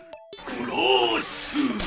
クラッシュ！